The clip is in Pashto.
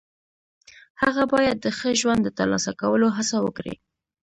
هغه باید د ښه ژوند د ترلاسه کولو هڅه وکړي.